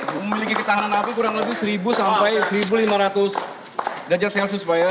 memiliki ketahanan api kurang lebih seribu sampai seribu lima ratus derajat celcius pak ya